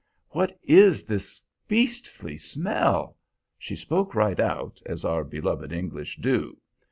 "What is this beastly smell?" She spoke right out, as our beloved English do.